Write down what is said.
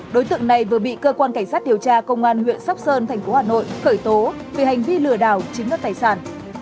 đối tượng này vừa bị cơ quan cảnh sát điều tra công an huyện sóc sơn thành phố hà nội khởi tố vì hành vi lừa đảo chiếm đất tài sản